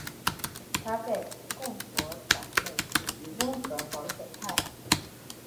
他在共和党内属于温和保守派。